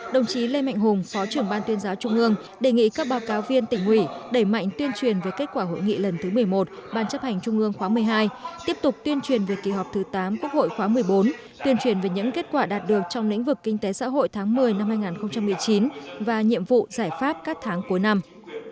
đồng chí lê mạnh hùng phó trưởng ban tuyên giáo trung ương đề nghị các báo cáo viên tỉnh ủy đẩy mạnh tuyên truyền về kết quả hội nghị lần thứ một mươi một ban chấp hành trung ương khóa một mươi hai tiếp tục tuyên truyền về kỳ họp thứ tám quốc hội khóa một mươi bốn tuyên truyền về những kết quả đạt được trong lĩnh vực kinh tế xã hội tháng một mươi năm hai nghìn một mươi chín và nhiệm vụ giải pháp các tháng cuối năm